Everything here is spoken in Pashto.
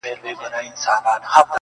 پر سپین آس باندي وو سپور لکه سلطان وو -